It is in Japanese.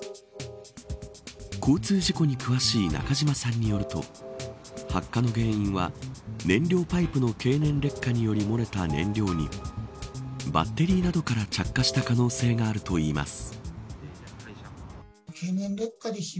交通事故に詳しい中島さんによると発火の原因は燃料パイプの経年劣化により漏れた燃料にバッテリーなどから着火した可能性があるといいます。